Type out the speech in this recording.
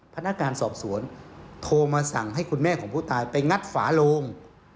พนักงานสอบสวนโทรมาสั่งให้คุณแม่ของผู้ตายไปงัดฝาโลง